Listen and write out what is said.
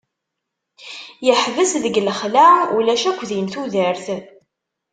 Yeḥbes deg laxla, ulac akk din tudert.